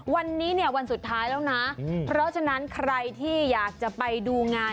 วันนี้เนี่ยวันสุดท้ายแล้วนะเพราะฉะนั้นใครที่อยากจะไปดูงาน